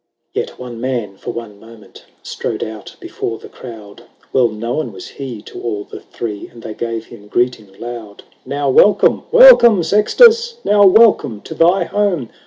LI. Yet one man for one moment Strode out before the crowd ; Well known w^as he to all the Three, And they gave him greeting loud. " Now welcome, welcome, Sextus ! Now welcome to thy home